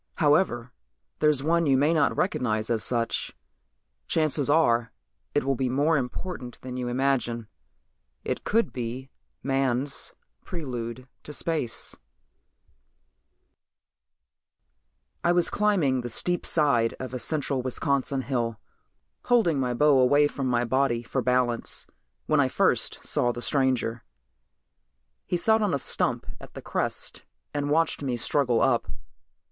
However, there's one you may not recognize as such. Chances are it will be more important than you imagine. It could be man's Prelude To Space By Robert W. Haseltine I was climbing the steep side of a central Wisconsin hill, holding my bow away from my body for balance, when I first saw the stranger. He sat on a stump at the crest and watched me struggle up.